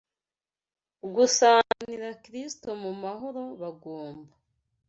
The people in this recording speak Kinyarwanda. gusanganira Kristo mu mahoro bagomba